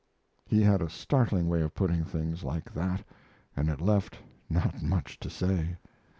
He had a startling way of putting things like that, and it left not much to say.